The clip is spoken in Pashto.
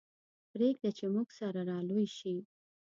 پرېږده چې موږ سره را لوی شي.